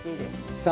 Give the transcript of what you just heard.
さあ